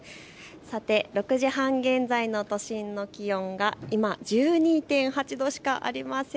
６時半現在の都心の気温が今、１２．８度しかありません。